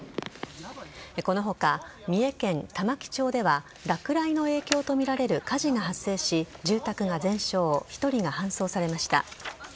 この他、三重県玉城町では落雷の影響とみられる火事が発生し、住宅が全焼１人が搬送されました。